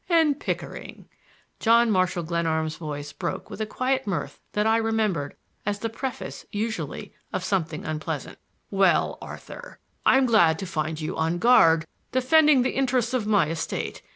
"And Pickering!" John Marshall Glenarm's voice broke with a quiet mirth that I remembered as the preface usually of something unpleasant. "Well, Arthur, I'm glad to find you on guard, defending the interests of my estate.